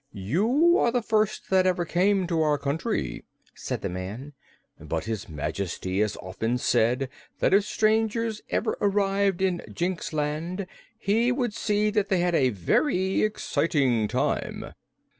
"You are the first that ever came to our country," said the man. "But his Majesty has often said that if strangers ever arrived in Jinxland he would see that they had a very exciting time."